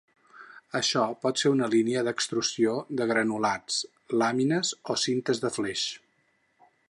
Això pot ser en una línia d'extrusió de granulats, làmines o cintes de fleix.